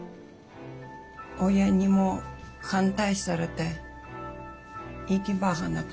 親にも反対されて行き場がなくて。